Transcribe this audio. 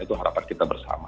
itu harapan kita bersama